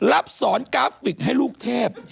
รับสอนกราฟิกให้ลูกเทพ